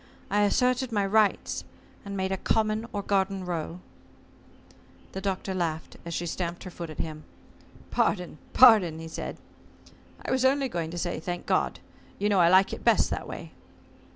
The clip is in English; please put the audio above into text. I asserted my rights, and made a common or garden row." The Doctor laughed, as she stamped her foot at him. "Pardon pardon," said he. "I was only going to say 'Thank God.' You know I like it best that way."